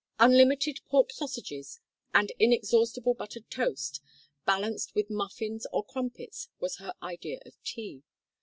Unlimited pork sausages and inexhaustible buttered toast, balanced with muffins or crumpets, was her idea of "tea."